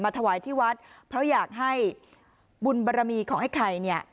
ถวายที่วัดเพราะอยากให้บุญบารมีของไอ้ไข่เนี่ย